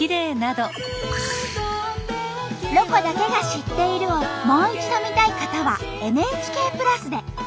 「ロコだけが知っている」をもう一度見たい方はＮＨＫプラスで。